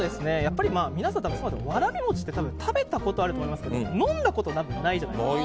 皆さんそうだと思うんですがわらび餅って食べたことあると思いますけど飲んだことないじゃないですか。